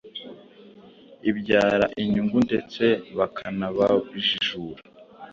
ibyara inyungu ndetse bakanabajijura.